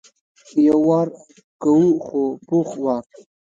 یو وار کوو خو پوخ وار.